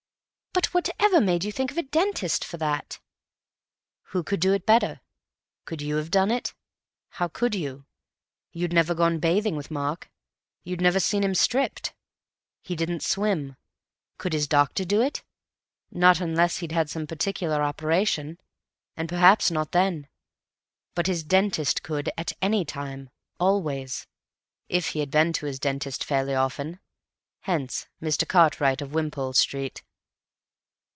"But whatever made you think of a dentist for that?" "Who could do it better? Could you have done it? How could you? You'd never gone bathing with Mark; you'd never seen him stripped. He didn't swim. Could his doctor do it? Not unless he'd had some particular operation, and perhaps not then. But his dentist could—at any time, always—if he had been to his dentist fairly often. Hence Mr. Cartwright of Wimpole Street."